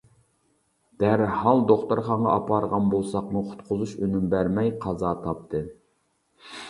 دەرھال دوختۇرخانىغا ئاپارغان بولساقمۇ قۇتقۇزۇش ئۈنۈم بەرمەي قازا تاپتى.